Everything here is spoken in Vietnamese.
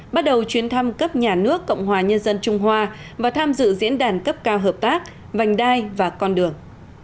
bắt đầu chuyến thăm cấp nhà nước cộng hòa nhân dân trung hoa và tham dự diễn đàn cấp cao hợp tác vành đai và con đường